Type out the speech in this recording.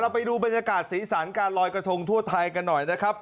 ไปดูบรรยากาศสีสันการลอยกระทงทั่วไทยกันหน่อยนะครับ